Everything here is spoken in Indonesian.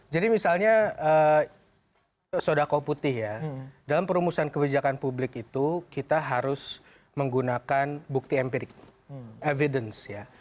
misalnya sodako putih ya dalam perumusan kebijakan publik itu kita harus menggunakan bukti evidence ya